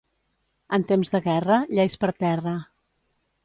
En temps de guerra, lleis per terra.